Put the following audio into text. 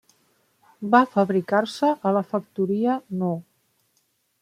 Va fabricar-se a la Factoria No.